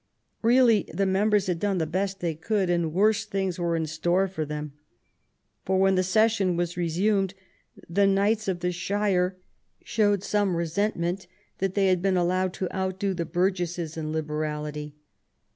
Really the members had done the best they could, and worse things were in store for them. For when the session was resumed the knights of the shire showed some resentment that they had been allowed to outdo the burgesses in liberality.